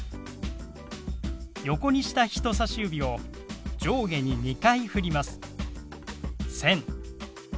横にした人さし指を上下に２回ふります。